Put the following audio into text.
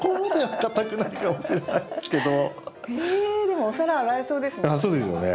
でもお皿洗えそうですね。